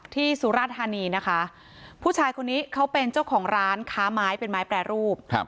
สุราธานีนะคะผู้ชายคนนี้เขาเป็นเจ้าของร้านค้าไม้เป็นไม้แปรรูปครับ